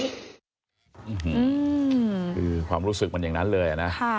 อืมคือความรู้สึกมันอย่างนั้นเลยนะ